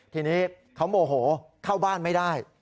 ทีนี้เขาโมโหเข้าบ้านไม่ได้